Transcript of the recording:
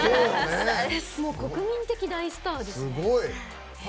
国民的大スターですね。